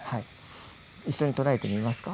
一緒に唱えてみますか？